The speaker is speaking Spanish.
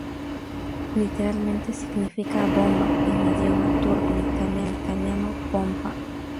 Literalmente significa bomba en idioma turco, del italiano "pompa".